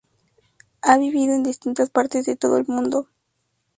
Ha vivido en distintas partes de todo el mundo.